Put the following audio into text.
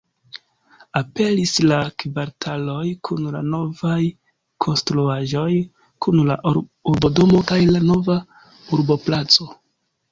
Aperis la kvartaloj kun la novaj konstruaĵoj kun la urbodomo kaj la nova urboplaco.